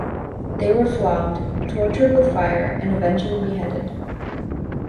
They were flogged, tortured with fire and eventually beheaded.